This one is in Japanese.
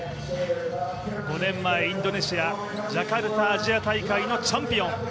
５年前、インドネシア・ジャカルタアジア大会のチャンピオン。